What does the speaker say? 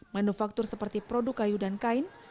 manufaktur seperti produk kayu dan kain